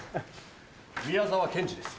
宮沢賢治です。